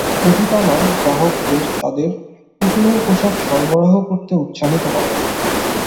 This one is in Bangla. পতিতালয় গ্রাহকদের তাদের পুতুলের পোশাক সরবরাহ করতে উৎসাহিত করে।